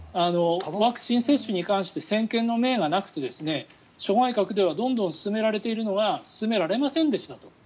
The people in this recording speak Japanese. ワクチン接種に関して先見の明がなくて諸外国ではどんどん進められているのに進められませんでしたと。